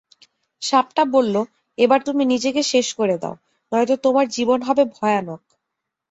সাপটা বলল,—এবার তুমি নিজেকে শেষ করে দাও, নয়তো তোমার জীবন হবে ভয়ানক।